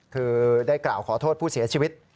คือได้กล่าวขอโทษผู้เสียชีวิต